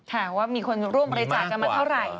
ถามว่ามีคนร่วมบริจาคกันมาเท่าไหร่